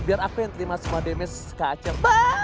biar aku yang terima semua damage kak acel